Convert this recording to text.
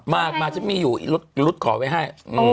มาไม่อยู่หลุดขอเวลาให้